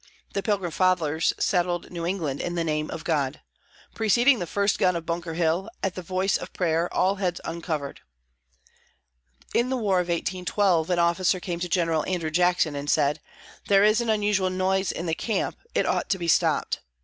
The Pilgrim Fathers settled New England in the name of God. Preceding the first gun of Bunker Hill, at the voice of prayer, all heads uncovered. In the war of 1812 an officer came to General Andrew Jackson and said, "There is an unusual noise in the camp; it ought to be stopped."